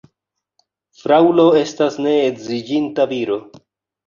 Fraŭlo estas ne edziĝinta viro.